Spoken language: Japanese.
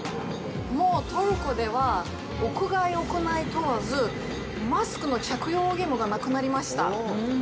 もうトルコでは、屋外、屋内問わず、マスクの着用義務がなくなりました。